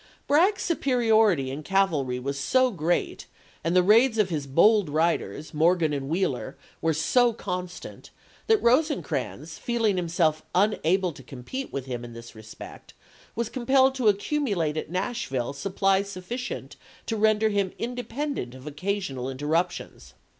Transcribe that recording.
Bragg's superiority in cavalry was so great, and 282 ABKAHAM LINCOLN ch. xni. the niids of his bold riders, Morgan and Wheeler, were so constant, that Rosecrans, feeling himself unable to compete with him in this respect, was compelled to accumulate at Nashville supplies suf ficient to render him independent of occasional interruptions.